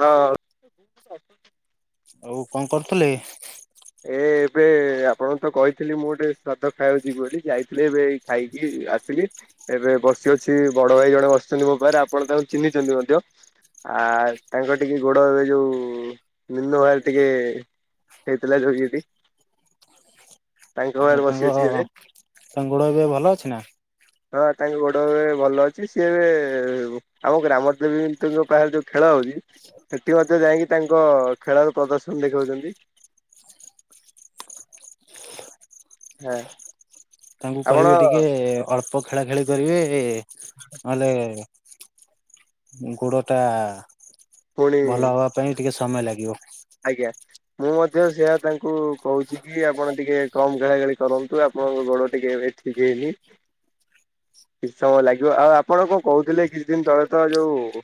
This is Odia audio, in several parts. ହଁ। ଆଉ କଣ କରୁଥିଲେ? ଏ ଏବେ ଏ ଆପଣଙ୍କୁ ତ କହିଥିଲି ମୁଁ ଗୋଟେ ଶ୍ରାଦ୍ଧ ଖାଇଆକୁ ଯିବି ବୋଲି, ଯାଇଥିଲି ଏବେ ଖାଇକି ଆସିଲି। ଏବେ ବସି ଅଛି ବଡ ଭାଇ ଜଣେ ବସିଛନ୍ତି ମୋ ପାଖରେ ଆପଣ ତାଙ୍କୁ ଚିହ୍ନିଛନ୍ତି ମଧ୍ୟ? ଆ ତାଙ୍କର ଟିକେ ଗୋଡ଼ ଏବେ ଯୋଉ ନିମ୍ନ ଭାଲ ଟିକେ [unintelligible] ତାଙ୍କ ଆଉ ପାଖରେ ବସି ତାଙ୍କ ଅଛି ଏବେ। ତାଙ୍କ ଗୋଡ଼ ଏବେ ଭଲ ଅଛି ନା? ହଁ ତାଙ୍କ ଗୋଡ ଏବେ ଭଲ ଅଛି ସିଏ ଏବେ ଆମ ଗ୍ରାମ ଦେବୀ ଙ୍କ ପାଖ ଯୋଉ ଖେଳ ହଉଛି। ସେଠି ମଧ୍ୟ ଯାଇକି ତାଙ୍କ ଖେଳର ପ୍ରଦର୍ଶନ ଦେଖଉଛନ୍ତି। ହଁ। ତାଙ୍କୁ ଆପଣ କହିବେ ଟିକେ ଅଳ୍ପ ଖେଳା ଖେଳି କରିବେ ନହେଲେ ଗୋଡ ଟା ପୁଣି ଭଲ ହବା ପାଇଁ ଟିକେ ସମୟ ଲାଗିବ। ଆଜ୍ଞା। ମୁଁ ମଧ୍ୟ ସେଆ ତାଙ୍କୁ କହୁଛି କି ଆପଣ ଟିକେ କମ୍ ଖେଳା ଖେଳି କରନ୍ତୁ ଆପଣଙ୍କ ଗୋଡ ଟିକେ ଏଠ। [unintelligible] ଠିକି ହେଇନି କିଛି ସମୟ ଲାଗିବ ଆଉ ଆପଣ କଣ କହୁଥିଲେ କିଛି ଦିନ ତଳେ ତ ଯୋଉ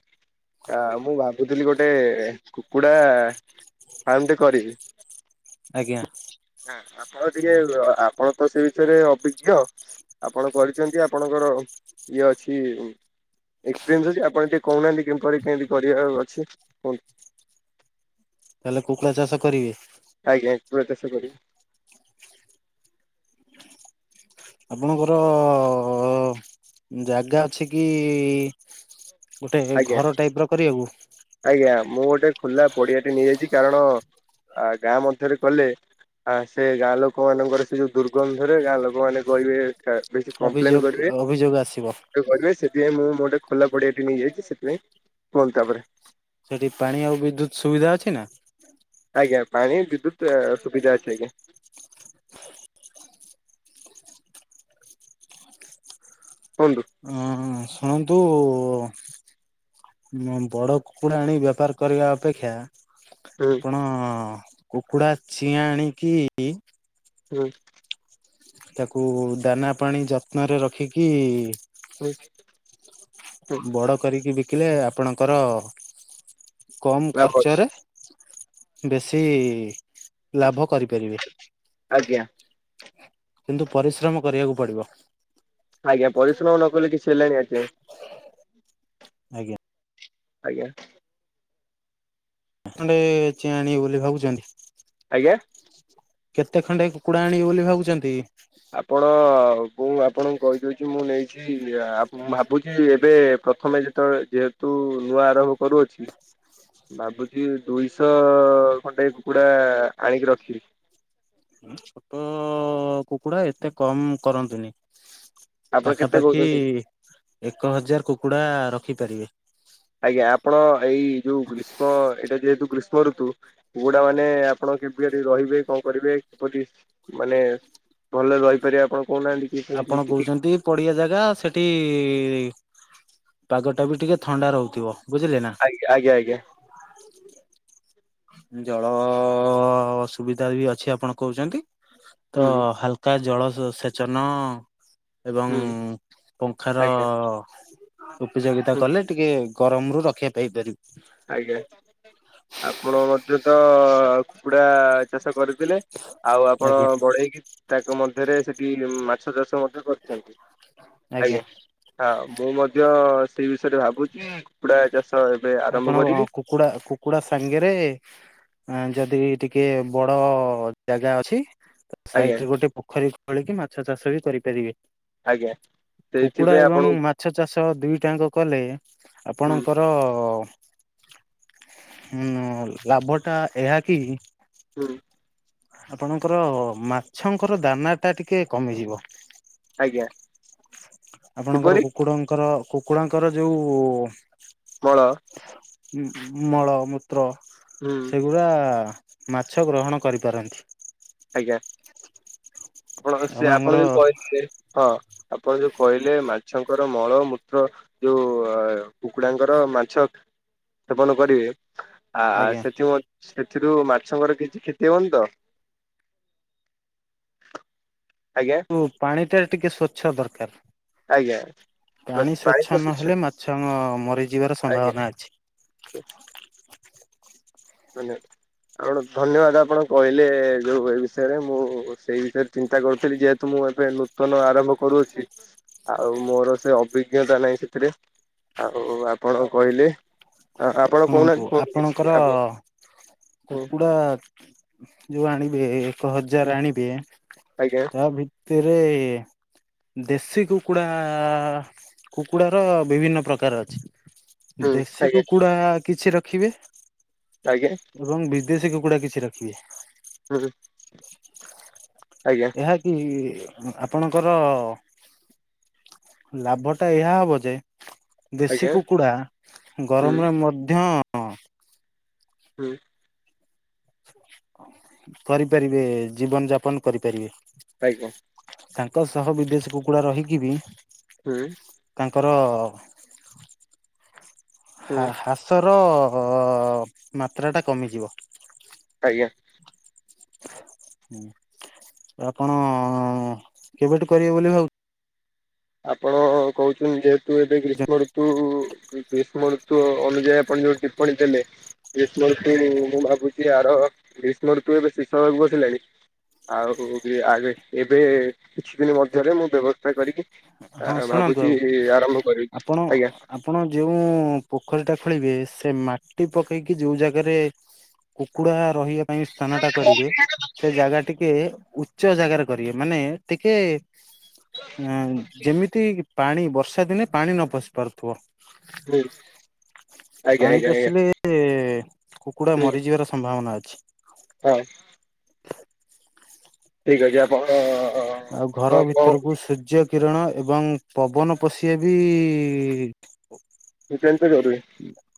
ଆ ମୁଁ ଭାବୁଥିଲି ଗୋଟେ କୁକୁଡା ଆଉ ଗୋଟେ କରିବି। ଆଜ୍ଞା। ହଁ ଆପଣ ଟିକେ ଆପଣ ତ ସେ ବିଷୟରେ ଅଭିଜ୍ଞ। ଆପଣ କରିଛନ୍ତି ଆପଣଙ୍କର ଇଏ ଅଛି। ଏକ୍ସପିରିଏନ୍ସ ଅଛି ଆପଣ ଟିକେ କହୁନାହାନ୍ତି କେମପରି କେମିତି କରିବା ର ଅଛି କୁହନ୍ତୁ? ତାହେଲେ କୁକୁଡ଼ା ଚାଷ କରିବେ? ଆଜ୍ଞା କୁକୁଡ଼ା ଚାଷ କରିବି। ଆପଣଙ୍କର ଜାଗା ଅଛି କି? ଗୋଟେ ଆଜ୍ଞା ଘର ଟାଇପ ର କରିବାକୁ? ଆଜ୍ଞା ମୁଁ ଗୋଟେ ଖୋଲା ପଡିଆଟି ନେଇଯାଇଛି କାରଣ ଗାଁ ମଧ୍ୟରେ କଲେ ଆ ସେ ଗାଁ ଲୋକ ମାନଙ୍କର ସେ ଯୋଉ ଦୁର୍ଗନ୍ଧରେ ଗାଁ ଲୋକମାନେ କହିବେ ହେ ବେଶୀ କମ୍ପ୍ଲେନ୍ ଅଭିଯୋଗ କରିବେ। ଅଭିଯୋଗ ଆସିବ କରିବେ ସେଥିପାଇଁ ମୁଁ ମୋ ଗୋଟେ ଖୋଲା ପଡିଆ ନେଇଯାଇଛି ସେଥିପାଇଁ କୁହନ୍ତ ତାପରେ ସେଠି ପାଣି ଆଉ ବିଦ୍ୟୁତ ସୁବିଧା ଅଛି ନା? ଆଜ୍ଞା ପାଣି ବିଦ୍ୟୁତ୍ ସୁବିଧା ଅଛି ଆଜ୍ଞା। କୁହନ୍ତୁ? ହଁ ହଁ। ଶୁଣନ୍ତୁ ଅ ବଡ କୁକୁଡ଼ା ଆଣି ବାପାର କରିବା ଅପେକ୍ଷା। ହୁଁ ଆପଣ କୁକୁଡ଼ା ଛିିଆଁ ଆଣିକି ହୁଁ। ତାକୁ ଦାନା ପାଣି ଯତ୍ନରେ ରଖିକି ହୁଁ ହୁଁ ବଡ କରିକି ବିକିଲେ ଆପଣଙ୍କର କମ୍ ଲାଭ ଅଛି ଖର୍ଚ୍ଚରେ, ବେଶୀ ଲାଭ କରିପାରିବେ। ଆଜ୍ଞା। କିନ୍ତୁ ପରିଶ୍ରମ କରିବାକୁ ପଡିବ। ଆଜ୍ଞା ପରିଶ୍ରମ ନ କଲେ କିଛି ହେଲେଣି ଆଜ୍ଞା। ଆଜ୍ଞା। ଆଜ୍ଞା। ହେଲେ ଚିଆଁ ଆଣିବେ ବୋଲି ଭାବୁଛନ୍ତି? ଆଜ୍ଞା। କେତେ ଖଣ୍ଡେ କୁକୁଡ଼ା ଆଣିବେ ବୋଲି ଭାବୁଛନ୍ତି? ଆପଣ, ମୁଁ ଆପଣଙ୍କୁ କହିଦେଉଛି ମୁଁ ନେଇଛି ମୁଁ ଭାବୁଛି ଏବେ ପ୍ରଥମେ ଯେ ତ ଯେହେତୁ ନୂଆ ଆରମ୍ଭ କରୁଅଛି ଭାବୁଛି ଦୁଇଶହ ଖଣ୍ଡେ ଏ କୁକୁଡ଼ା ଆଣିକି ରଖିବି। ଛୋଟ କୁକୁଡା ଏତେ କମ କରନ୍ତିୁନି। ଆପଣ କେତେ ପାଖାପାଖି କହୁଛନ୍ତି? ଏକ ହଜାର କୁକୁଡା ରଖିପାରିବେ। ଆଜ୍ଞା, ଆପଣ ଏଇ ଯୋଉ ଗ୍ରୀଷ୍ମ ଏଇଟା ଯେହେତୁ ଗ୍ରୀଷ୍ମ ଋତୁ। କୁକୁଡା ମାନେ ଆପଣ କେବେ ରହିବେ, କଣ କରିବେ, କିପରି ମାନେ? ଭଲରେ ରହିପାରିବେ ଆପଣ? କହୁନାହାନ୍ତି କି କେମିତି ଆପଣ ଟିକେ କହୁଛନ୍ତି ପଡିଆ ଜାଗା ସେଠି ପାଗଟା ବି ଟିକେ ଥଣ୍ଡା ରହୁଥିବ, ବୁଝିଲେ ନା? ଆଗ ଆଜ୍ଞା ଆଜ୍ଞା। ଜଳ ସୁୁବିଧା ବି ଅଛି ଆପଣ କୋଉଚନ୍ତି? ତ ହୁଁ ହାଲ କା ଜଳ ସେଚନ ଏବଂ ହୁଁ ପଙ୍ଖା ର ଆଜ୍ଞା ଉପିଯୋଗିତା ହୁଁ କଲେ, ଟିକେ ଗରମ ରୁ ରକ୍ଷା ପାଇ ପାରି ଆଜ୍ଞା। ଆପଣ ଗୋଟେ ତ କୁକୁଡ଼ା ଚାଷ କରି ଥିଲେ ଆଉ ଆପଣ ଆଜ୍ଞା ବଢେଇକି ତାଙ୍କ ମଧ୍ୟରେ ସେଠି ମାଛ ଚାଷ ଟା କରଚନ୍ତି। ଆଜ୍ଞା। ହା ମୁଁ ମଧ୍ୟ ସେଇ ବିଷୟରେ ଭାବୁଛି କୁକୁଡ଼ା ଚାଷ ଏବେ ଆ ଆପଣଙ୍କ କୁକୁଡା, କୁକୁଡା ସାଙ୍ଗେରେ ଆ ଯଦି ଟିକେ ବଡ ଜାଗା ଅଛି ଆଜ୍ଞା ସାଇଡରେ ଗୋଟେ ପୋଖୋରୀ ଖୋଳିକି ମାଛ ଚାଷ ବି କରିପାରିବେ। ଆଜ୍ଞା। କୁକୁଡ଼ା ସେଇଥିପାଇଁ ଏବଂ ଆପଣଙ୍କୁ ମାଛ ଚାଷ ଦୁଇଟା ଆଙ୍କ କଲେ ହୁଁ ଆପଣଙ୍କର ର ଲାଭ ଟା ଏହା କି- ହୁଁ ଆପଣଙ୍କର ମାଛଙ୍କର ଦାନା ଟା ଟିକେ କମିଯିବ। ଆଜ୍ଞା ଆପଣଙ୍କର କିପରି କୁକୁଡଙ୍କର, କୁକୁଡାଙ୍କର ଯୋଉ ମଳ ମଳ, ମୂତ୍ର ହୁଁ ପୁରା ମାଛ ଗ୍ରହଣ କରିପାରନ୍ତି। ଆଜ୍ଞା। ଆପଣଙ୍କର ସିଏ ଆପଣଙ୍କର ଆପଣ ଯୋଉ କିହିଲେ ହଁ, ଆପଣ ଯୋଉ କହିଲେ ମାଛ ଙ୍କର ମଳ, ମୂତ୍ର ଯୋଉ ଅ କୁକୁଡାଙ୍କର ମାଛ ସେବନ କରିବେ ଆ ଆଜ୍ଞା ସେଥିଉ ସେଥିରୁ ମାଛଙ୍କର କିଛି କ୍ଷତି ହେବନି ତ? ଆଜ୍ଞା ଉ ପାଣି ଟା ଟିକେ ସ୍ଵଚ୍ଛ ଦରକାର। ଆଜ୍ଞା ପାଣି ପ୍ରାୟ ତ ସ୍ୱଚ୍ଛ ନହେଲେ, ମାଛ ମ ମରିଯିବାର ଆଜ୍ଞା ସମ୍ଭାବନା ଅଛି। [inaudible] ଧନ୍ୟବାଦ୍। ଆପଣ କୁ ଧନ୍ୟବାଦ ଆପଣ କହିଲେ ଯୋଉ ଏ ବିଷୟରେ, ମୁଁ ସେଇ ବିଷୟରେ ଚିନ୍ତା କରୁଥିଲି ଯେ ତ ମୁଁ ଏବେ ନୂତନ ଆରମ୍ଭ କରୁଅଛି ଆଉ ମୋର ସେ ଅଭିଜ୍ଞତା ନାଇଁ ସେଥିରେ। ଆଉ ଆପଣ କହିଲେ ଆ ଆପଣ ଶୁଣନ୍ତୁ କୋହୁନାହାନ୍ତି କୁହନ୍ତୁ ଆପଣଙ୍କର କିଛି ଆପଣ ହୁଁ। କୁକୁଡ଼ା ଯୋଉ ଆଣିବେ ଏକ ହଜାର ଆଣିବେ ଆଜ୍ଞା ତା ଭିତ- ତିରେ ଦେଶୀ କୁକୁଡ଼ା କୁକୁଡ଼ାର ବିଭିନ୍ନ ପ୍ରକାର ଅଛି। ହୁଁ ଦେଶୀ ଆଜ୍ଞା କୁକୁଡ଼ା କିଛି ରଖିବେ ଆଜ୍ଞା ଏବଂ ବିଦେଶୀ କୁକୁଡ଼ା କିଛି ରଖିବେ। [unintelligible] ଆଜ୍ଞା। ଏହାକି ଆପଣଙ୍କର ଲାଭଟା ଏହା ହବ ଯେ, ଦେଶୀ ଆଜ୍ଞା କୁକୁଡ଼ା ହୁଁ ଗରମରେ ମଧ୍ୟ ହୁଁ। କରିପାରିବେ ଜୀବନ୍ ଯାପନ୍ କରିପାରିବେ। ଆଜ୍ଞା। ତାଙ୍କ ସହ ବିଦେଶି କୁକୁଡା ରହିକି ବି ହୁଁ। ତାଙ୍କର ହା ହୁଁ ହାସ୍ ହ୍ରାସର ମାତ୍ରାଟା କମିଯିବ। ଆଜ୍ଞା। ଆପଣ କେବେଠୁ କରିବେ ବୋଲି ଭାବୁ ଆପଣ କହୁଛନ୍ତି ଯେହେତୁ ଏବେ ଗ୍ରୀଷ୍ମ ଋତୁ ଉ-ଉ କି ଗ୍ରୀଷ୍ମ ରୁତୁ ଅନୁଯାୟୀ ଆପଣ ଯୋଉ ଟିପ୍ପଣୀ ଦେଲେ। ଗ୍ରୀଷ୍ମ ଋତୁ ମୁଁ ଭାବୁଚି ଆର ଗ୍ରୀଷ୍ମ ଋତୁ ଏବେ ଶିଷ ହେବାକୁ ବସିଲାଣି। ଆଉ ଆବେ ଏବେ କିଛି ଦିନ ମଧ୍ୟରେ ମୁଁ ବ୍ୟବସାୟ କରିକି ହଁ ଶୁଣନ୍ତୁ ଭାବୁଛି ଆଉ ଆରମ୍ଭ କରିବି। ଆପଣ ଆଜ୍ଞା ଆପଣ ଯୋଉଁ ପୋଖରୀ ଟା ଖୋଳିବେ ସେ ମାଟି ପକେଇକି ଯୋଉ ଜାଗାରେ କୁକୁଡା ରହିବା ପାଇଁ ସ୍ଥାନ ଟା କରିବେ ସେ ଜାଗା ଟି କେ ଉଚ୍ଚ ଜାଗାରେ କରିବେ ମାନେ ଟିକେ ନାଇ ଯେମିତି ପାଣି ବର୍ଷା ଦିନେ ପାଣି ନ ପଶି ପାରୁଥିବ। ହୁଁ। ଆଜ୍ଞା ପାଣି ଆଜ୍ଞା ଆଜ୍ଞା ପଶିଲେ ଏ-ଏ କୁକୁଡ଼ା ହୁଁ ମରିଯିବାର ସମ୍ଭାବନା ଅଛି। ହଁ। ଠିକ୍ ଅଛି ଆପଣ ଆଉ ଘର ଆପଣଙ୍କ ଭିତରକୁ ସୂର୍ଯ୍ୟ କିରଣ ଏବଂ ପବନ ପସିଆ ବି ଇ-ଇ-ଇ ନିତ୍ୟାନ୍ତ ଜରୁରୀ [inaudible]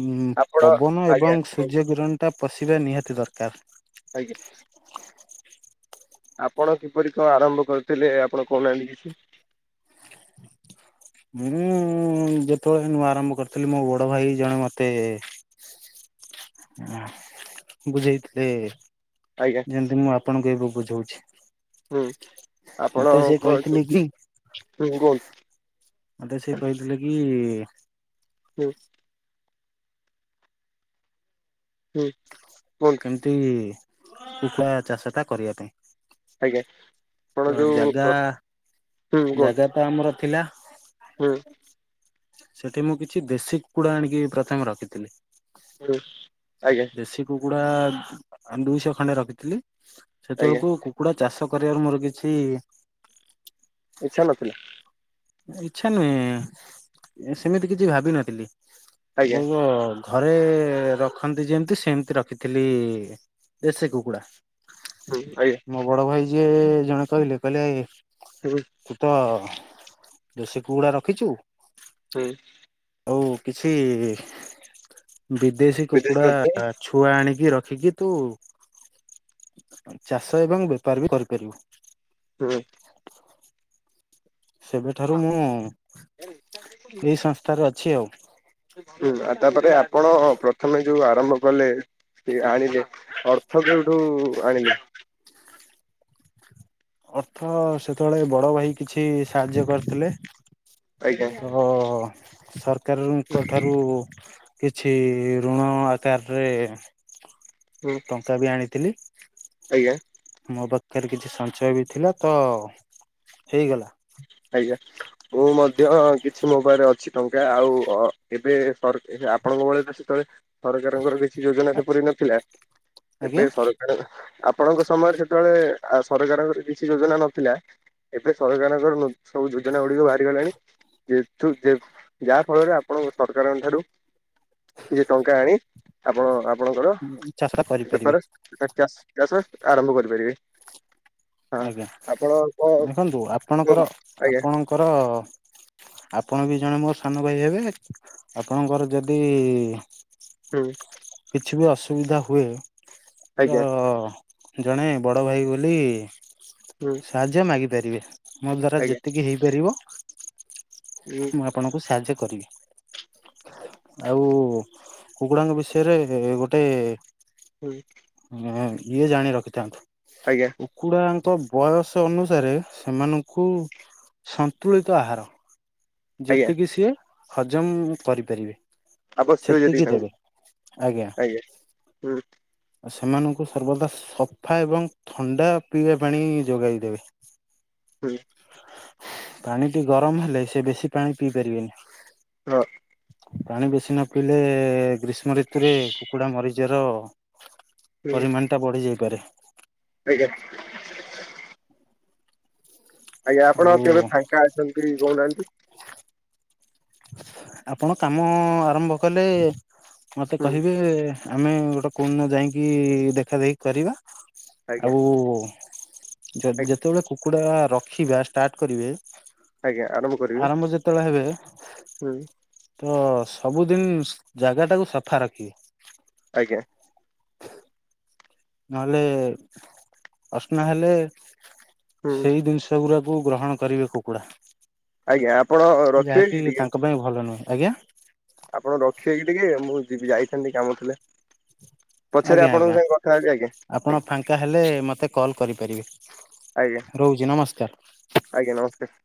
ହୁଁ ଆପଣ ପବନ ଆଜ୍ଞା ଏବଂ ହୁଁ ସୂର୍ଯ୍ୟ କିରଣ ଟା ପଷିବା ନିହାତି ଦରକାର। ଆଜ୍ଞା। ଆପଣ କିପରି କଣ ଆରମ୍ଭ କରିଥିଲେ ଆପଣ କହୁନାହାନ୍ତି କିଛି। ମୁଁ ଯେତେବେଳେ ନୂଆ ଆରମ୍ଭ କରିଥିଲି ମୋ ବଡ ଭାଇ ଜଣେ ମତେ ବୁଝେଇଥିଲେ ଆଜ୍ଞା ଯେମତି ମୁଁ ଆପ ଆପଣଙ୍କୁ ଏବେ ବୁଝଉଛି। ହୁଁ ଆପଣ ମତେ ସେ କୁହନ୍ତୁ କହିଥିଲେ କି ହୁଁ କୁହନ୍ତୁ। ମତେ ସେ କହିଥିଲେ କି? ହୁଁ। ହୁଁ କୁଅତୁ ଏମତି କୁକୁଡ଼ା ଚାଷ ଟା କରିଆ ପାଇଁ। ଆଜ୍ଞା ଆପଣ ତ ଯୋଉ ଜାଗା ହୁଁ କୁହନ୍ତୁ। ଜାଗା ତ ଆମର ଥିଲା। ହୁଁ। ସେଠି ମୁଁ କିଛି ଦେଶୀ କୁକୁଡ଼ା ଆଣିକି ପ୍ରଥମେ ରଖିଥିଲି। ଉଁ ହୁଁ ଆଜ୍ଞା। ଦେଶୀ କୁକୁଡା ଆ ଦୁଇଶହ ଖଣ୍ଡେ ରଖିଥିଲି ଆଜ୍ଞା ସେତେବେଳକୁ କୁକୁଡ଼ା ଚାଷ କରିବାକୁ ମୋର କିଛି ଇଚ୍ଛା ନଥିଲା। ଇଚ୍ଛା ନୁହେଁ ଏ ସେମିତି କିଛି ଭାବିନଥିଲି। ଆଜ୍ଞା ଘରେ ରଖନ୍ତି ଯେମିତି ସେମତି ରଖିଥିଲି ଦେଶୀ କୁକୁଡା। ହୁଁ ଆଜ୍ଞା ମୋ ବଡ ଭାଇ ଯିଏ ଜଣେ କହିଲେ-କହିଲେ ହୁଁ ତୁ ତ ଆଜ୍ଞା ଦୋଷୀ କୁକୁଡ଼ା ରଖିଛୁ ହୁଁ। ଆଉ କିଛି ବିଦେଶୀ ବିଦେଶ କୁକୁଡା ନଥିଲେ ଛୁ ଛୁଆ ଆଣିକି ରଖିକି ତୁ ଚାଷ ଏବଂ ବେପାର ବି କରିପାରିବୁ। ହୁଁ। ସେବେଠାରୁ ମୁଁ ଏଇ ସଂସ୍ଥାରେ ଅଛି ଆଉ। ହୁଁ ଆଉ ତାପରେ ଆପଣ ପ୍ରଥମେ ଯୋଉ ଆରମ୍ଭ କଲେ କି ଆଣିଲେ ଅର୍ଥ କୋଉଠୁ ଆଣିଲେ? ଅର୍ଥ ସେତେବେଳେ ବଡ ଭାଇ କିଛି ସାହାଯ୍ୟ କରିଥିଲେ। ଆଜ୍ଞା ତ ଅ-ଅ ସରକାରଙ୍କ ଠାରୁ କିଛି ଋଣ ଆକାରରେ ହୁଁ ଟଙ୍କା ବି ଆଣିଥିଲି ଆଜ୍ଞା ମୋ ପାଖରେ କିଛି ସନ୍ ସଞ୍ଚୟ ବି ଥିଲା ତ ହେଇଗଲା। ଆଜ୍ଞା। ମୁଁ ମଧ୍ୟ କିଛି ମୋ ପାଖରେ ଅଛି ଟଙ୍କା ଆଉ ଅ ଏବେ ସର ଏଇ ଆପଣଙ୍କ ବଳେ ସେତେବେଳେ ସରକାରଙ୍କର କିଛି ଯୋଜନା ସେପରି ନଥିଲା ଆଜ୍ଞା ଏବେ ସର ଆରୁ ଆପଣଙ୍କ ସମୟରେ ସେତେବେଳେ ଆ ସରକାରଙ୍କର କିଛି ଯୋଜନା ନଥିଲା। ଏବେ ସରକାରଙ୍କର ନୂତନ ସବୁ ଯୋଜନା ଗୁଡିକ ବାହାରିଗଲାଣି। ଯେହେତୁ ଯେ ଯାହା ଫଳରେ ଆପଣ ସରକାରଙ୍କ ଠାରୁ କିଛି ଟଙ୍କା ଆଣି ଆପଣ ଆପଣଙ୍କର ଚାଷ କରିପାରିବେ ବେପାର [unintelligible] ଚାଷ୍ ଚାଷ ଆରମ୍ଭ କରିପାରିବେ ହଁ ଆଜ୍ଞା ଆପଣ କଣ ଦେଖନ୍ତୁ କୁହନ୍ତୁ ଆଜ୍ଞା ଆପଣଙ୍କର-ଆପଣଙ୍କର ଆପଣ ବି ଜଣେ ମୋର ସାନ ଭାଇ ହେବେ ଆପଣଙ୍କର ଯଦି ହୁଁ। କିଛି ବି ଅସୁବିଧା ହୁଏ ତ ଆଜ୍ଞା ଜଣେ ବଡ ଭାଇ ବୋଲି ହୁଁ। ସାହାଯ୍ୟ ମାଗିପାରିବେ ମୋ ଦ୍ୱାରା ଆଜ୍ଞା ଯେତିକି ହେଇପାରିବ ହୁଁ ମୁଁ ଆପଣଙ୍କୁ ସାହାଯ୍ୟ କରିବି। ଆଉ କୁକୁଡ଼ାଙ୍କ ବିଷୟରେ ଗୋଟେ ହୁଁ। [unintelligible] ଇଏ ଜାଣି ରଖିଥାନ୍ତୁ। ଆଜ୍ଞା। କୁକୁଡ଼ାଙ୍କ ବୟସ ଅନୁସାରେ ସେମାନଙ୍କୁ ସନ୍ତୁଳିତ ଆହାର ଆଜ୍ଞା ଯେତିକି ସିଏ ହଜମ କରିପାରିବେ। ଆବଶ୍ୟକ ଯେତିକି ସେତିକି ଦେବେ ତାଙ୍କୁ ଆଜ୍ଞା ହୁଁ। ଆ ସେମାନଙ୍କୁ ସର୍ବଦା ସଫା ଏବଂ ଥଣ୍ଡା ପିଇବା ପାଣି ଯୋଗାଇ ଦେବେ। ହୁଁ। ପାଣିଟି ଗରମ ହେଲେ ସେ ବେଶି ପାଣି ପିଇ ପାରିବେନି। ହଁ। ପାଣି ବେଶୀ ନ ପିଇଲେ ଗ୍ରୀଷ୍ମ ଋତୁରେ କୁକୁଡ଼ା ମରିଯିବାର ହୁଁ ପରିମାଣ ଟା ବଢି ଯାଇପାରେ। ଆଜ୍ଞା। ଆଜ୍ଞା ଆଉ ଆପଣ କେବେ ଫାଙ୍କା ଅଛନ୍ତି କହୁନାହାନ୍ତି। ଆପଣ କାମ ଆରମ୍ଭ କଲେ ମତେ ହୁଁ କହିବେ ଆମେ ଗୋଟେ କଉ ଦିନ ଯାଇଁକି ଦେଖା ଦେଖି କରିବା। ଆଜ୍ଞା ଆଉ ଯଦ ଆଜ୍ଞା ଯେତେବେଳେ କୁକୁଡ଼ା ରଖିବା ଷ୍ଟାର୍ଟ କରିବେ ଆଜ୍ଞା ଆରମ୍ଭ କରିବି ଆରମ୍ଭ ଯେତେବେଳେ ହେବେ। ହୁଁ। ତ ସବୁଦିନ ଜାଗା ଟାକୁ ସଫା ରଖିବେ। ଆଜ୍ଞା। ନହେଲେ ଅସନା ହେଲେ ହୁଁ ସେଇ ଜିନିଷ ସେଗୁରାକୁ ଗ୍ରହଣ କରିବେ କୁକୁଡ଼ା। ଆଜ୍ଞା ଆପଣ ରଖିବେ କି ଟିକେ ତାଙ୍କ ଯୁ ପାଇଁ ଭଲ ନୁହେଁ ଆଜ୍ଞା। ଆପଣ ରଖିବେ କି ଟିକେ ମୁଁ ଯିବି ଯାଇଥାନ୍ତି କାମ ଥିଲା। ପଛରେ ଆଜ୍ଞା ଆପଣଙ୍କ ଆଜ୍ଞା ସାଙ୍ଗେ କଥା ହେବି ଆଜ୍ଞା ଆଜ୍ଞା ଆପଣ ଫାଙ୍କା ହେଲେ ମୋତେ କଲ୍ କରିପାରିବେ। ଆଜ୍ଞା ରହୁଚି ନମସ୍କାର। ଆଜ୍ଞା ନମସ୍କାର।